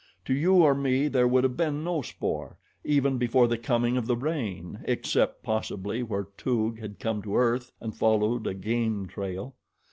To you or me there would have been no spoor, even before the coming of the rain, except, possibly, where Toog had come to earth and followed a game trail.